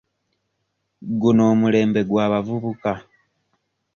Guno omulembe gw'abavubuka.